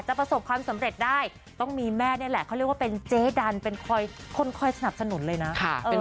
ประสบความสำเร็จได้ต้องมีแม่นี่แหละเขาเรียกว่าเป็นเจ๊ดันเป็นคอยคนคอยสนับสนุนเลยนะ